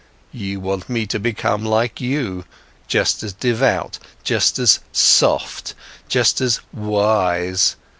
You want me to become like you, just as devout, just as soft, just as wise!